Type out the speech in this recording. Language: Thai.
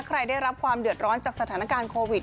ได้รับความเดือดร้อนจากสถานการณ์โควิด